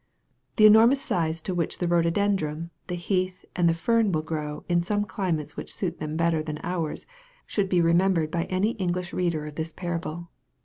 The enormous size to which the rhododendron, the heath, and the fern will grow, in some climates which suit them better than ours, should be remembered by an English reader of this parable.